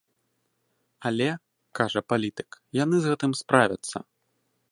Але, кажа палітык, яны з гэтым справяцца.